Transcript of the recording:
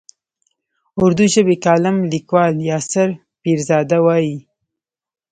اردو ژبی کالم لیکوال یاسر پیرزاده وايي.